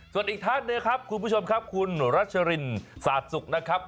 ส่วนอีกท่านหนึ่งครับคุณผู้ชมครับคุณรัชรินสาดสุขนะครับ